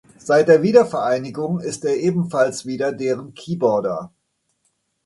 Seit der Wiedervereinigung ist er ebenfalls wieder deren Keyboarder.